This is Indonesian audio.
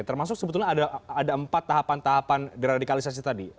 termasuk sebetulnya ada empat tahapan tahapan deradikalisasi tadi